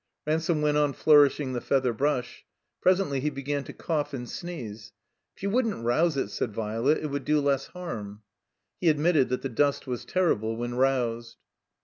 • Ransome went on flotirishing the feather brush. Presently he began to cough and sneeze. "If you wouldn't rouse it," said Violet, "it would do less harm." He admitted that the dust was terrible when roused.